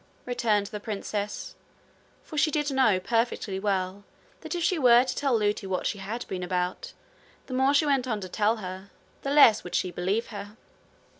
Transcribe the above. returned the princess. For she did know perfectly well that if she were to tell Lootie what she had been about, the more she went on to tell her, the less would she believe her.